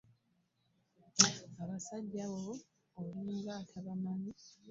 Abasajja abo olinga atabamanyi?